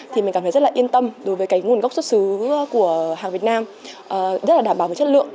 thì mình cảm thấy rất là yên tâm đối với cái nguồn gốc xuất xứ của hàng việt nam rất là đảm bảo về chất lượng